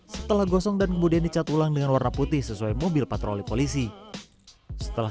setelah gosong dan kemudian dicat ulang dengan warna putih sesuai mobil patroli polisi setelah